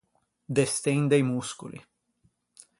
Destende i moscoli.